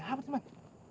siapa tuh mat